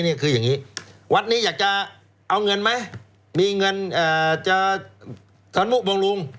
นี่คืออย่างนี้วัดนี้อยากจะเอาเงินไหมมีเงินจะธนุบำรุง